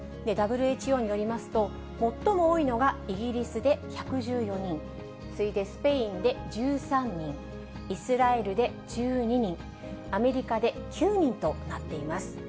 ＷＨＯによりますと、最も多いのがイギリスで１１４人、次いでスペインで１３人、イスラエルで１２人、アメリカで９人となっています。